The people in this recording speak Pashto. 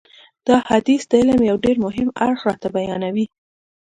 دا حدیث د علم یو ډېر مهم اړخ راته بیانوي.